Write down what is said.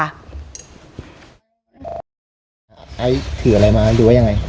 ไอซ์ถืออะไรมาหรือว่ายังไง